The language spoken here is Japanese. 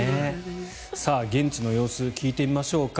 現地の様子を聞いてみましょうか。